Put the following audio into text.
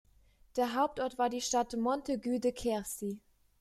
Der Hauptort war die Stadt Montaigu-de-Quercy.